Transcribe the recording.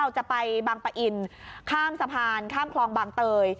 จะไปบางปะอินข้ามสะพานข้ามคลองบางเตย